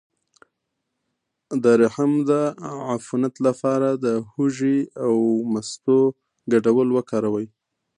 د رحم د عفونت لپاره د هوږې او مستو ګډول وکاروئ